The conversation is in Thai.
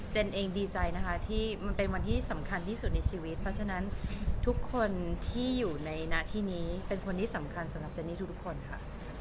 เองดีใจนะคะที่มันเป็นวันที่สำคัญที่สุดในชีวิตเพราะฉะนั้นทุกคนที่อยู่ในหน้าที่นี้เป็นคนที่สำคัญสำหรับเจนนี่ทุกคนค่ะ